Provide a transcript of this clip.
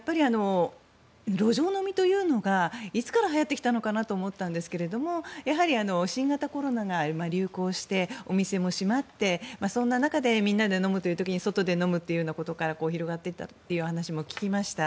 路上飲みというのがいつからはやってきたのかなと思ったんですがやはり新型コロナが流行してお店も閉まってそんな中でみんなで飲むという時に外で飲むということから広がっていったという話も聞きました。